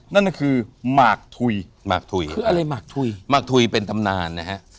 นั่นก็คือหมากถุยหมากถุยคืออะไรหมากถุยหมากถุยเป็นตำนานนะฮะ